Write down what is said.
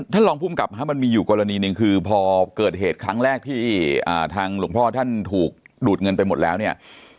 ท่านรองภูมิกับมันมีอยู่กรณีหนึ่งคือพอเกิดเหตุครั้งแรกที่ทางหลวงพ่อท่านถูกดูดเงินไปหมดแล้วเนี่ย